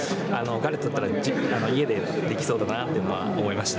ガレットだったら、家でできそうだというのは思いました。